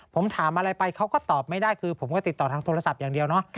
ผมถามอะไรไปเขาก็ตอบไม่ได้คือผมก็ติดต่อทางโทรศัพท์อย่างเดียวเนาะ